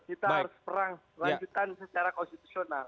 kita harus perang lanjutan secara konstitusional